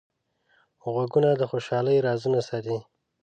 غوږونه د خوشحالۍ رازونه ساتي